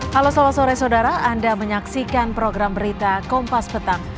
halo selamat sore saudara anda menyaksikan program berita kompas petang